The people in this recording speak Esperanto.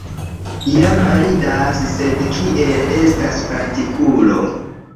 Ja validas, sed kiel estas partikulo.